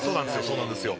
そうなんですよ